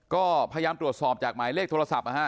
ก็พยายามตรวจสอบจากหม่ายและเลขโทรศัพท์